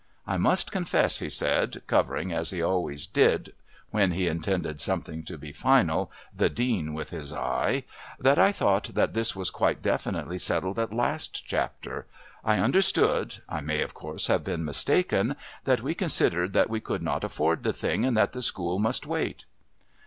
"I must confess," he said, covering, as he always did when he intended something to be final, the Dean with his eye, "that I thought that this was quite definitely settled at last Chapter; I understood I may of course have been mistaken that we considered that we could not afford the thing and that the School must wait."